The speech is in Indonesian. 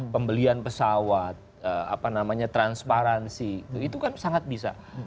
pembelian pesawat apa namanya transparansi itu kan sangat bisa